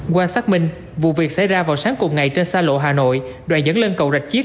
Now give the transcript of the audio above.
qua xác minh vụ việc xảy ra vào sáng cùng ngày trên xa lộ hà nội đoạn dẫn lên cầu rạch chiếc